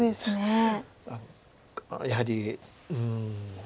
やはりうん。